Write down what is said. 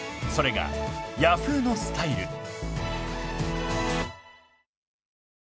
［それがヤフーのスタイル］